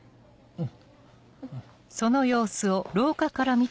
うん。